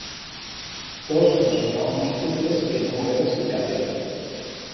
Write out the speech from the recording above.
Todos mos febamos cruces que no'n habeba explicación.